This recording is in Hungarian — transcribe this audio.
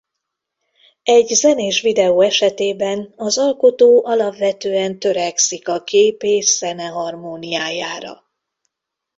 Egy zenés videó esetében az alkotó alapvetően törekszik a kép és zene harmóniájára.